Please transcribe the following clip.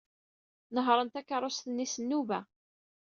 Nehṛen takeṛṛust-nni s nnuba.